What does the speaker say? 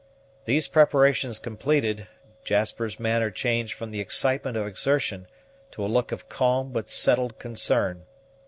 These preparations completed, Jasper's manner changed from the excitement of exertion to a look of calm but settled concern.